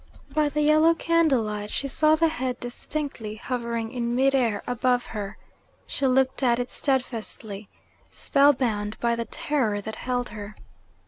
By the yellow candlelight she saw the head distinctly, hovering in mid air above her. She looked at it steadfastly, spell bound by the terror that held her.